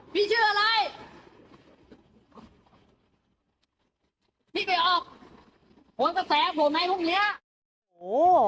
พี่ไปออกโหวะแสงโหวะไม้พวกเนี้ย